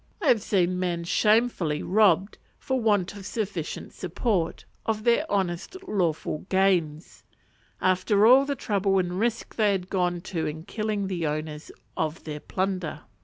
I have seen men shamefully robbed, for want of sufficient support, of their honest lawful gains; after all the trouble and risk they had gone to in killing the owners, of their plunder.